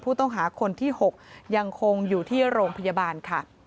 ผู้ต้องหาคนที่๖ยังคงอยู่ที่โรงพยาบาลค่ะ